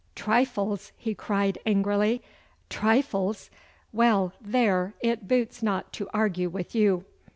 'Trifles!' he cried angrily. 'Trifles! Well, there, it boots not to argue with you.